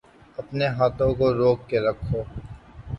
اپنے ہاتھوں کو روک کے رکھو